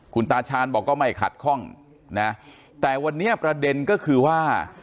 คุณตาชาญบอกก็ไม่ขัดข้องนะแต่วันนี้ประเด็นก็คือว่า